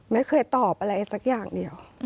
ไม่เคยตอบอะไรสักอย่างเดียว